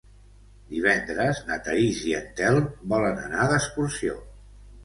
Divendres na Thaís i en Telm volen anar d'excursió.